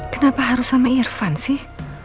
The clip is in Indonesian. kenapa harus sama irfan sih